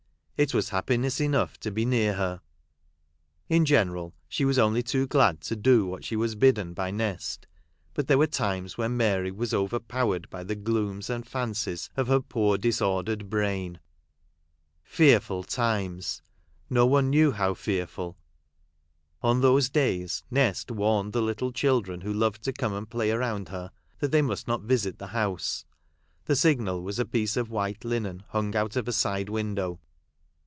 It was happiness enough to be near her. In general she was only too glad to do what she was bidden by Nest. But there were times when Mary was overpowered by the glooms and fancies of her poor disordered brain. Fearful times ! No one knew how fearful. On those days, Nest warned the little children who loved to come and play around her, that they must not visit the house. The signal was a piece of white linen hung out of a side window.